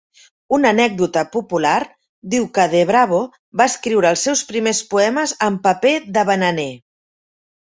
Una anècdota popular diu que Debravo va escriure els seus primers poemes en paper de bananer.